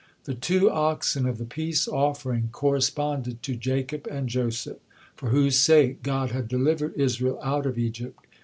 The two oxen of the peace offering corresponded to Jacob and Joseph, for whose sake God had delivered Israel out of Egypt.